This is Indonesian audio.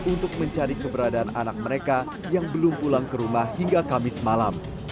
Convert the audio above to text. untuk mencari keberadaan anak mereka yang belum pulang ke rumah hingga kamis malam